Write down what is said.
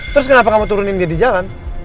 terus kenapa kamu turunin dia di jalan